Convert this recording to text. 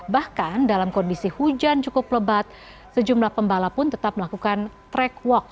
bahkan dalam kondisi hujan cukup lebat sejumlah pembalap pun tetap melakukan track walk